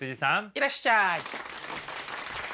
いらっしゃい。